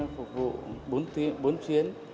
phục vụ bốn tuyến